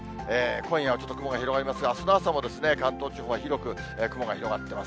今夜はちょっと雲が広がりますが、あすの朝も関東地方は広く雲が広がってます。